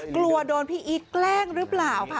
กลัวโดนพี่อีทแกล้งหรือเปล่าค่ะ